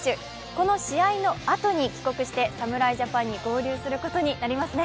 この試合のあとに帰国して侍ジャパンに合流することになりますね。